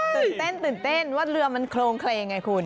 ก็จะตื่นเต้นว่าเรือมันโครงเกรห์ไงคุณ